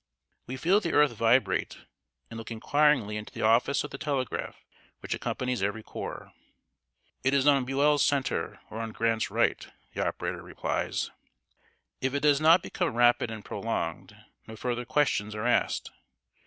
We feel the earth vibrate, and look inquiringly into the office of the telegraph which accompanies every corps. "It is on Buell's center, or on Grant's right," the operator replies. If it does not become rapid and prolonged, no further questions are asked.